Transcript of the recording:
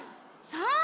そう！